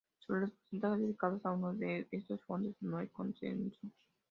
Sobre los porcentajes dedicados a cada uno de estos fondos no hay consenso.